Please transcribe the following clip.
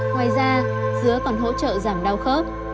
ngoài ra dứa còn hỗ trợ giảm đau khớp